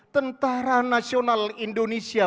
tentara nasional indonesia